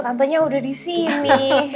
tantanya udah disini